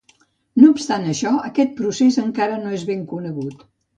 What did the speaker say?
No obstant això, aquest procés encara no és ben conegut.